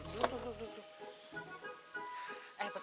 duduk duduk duduk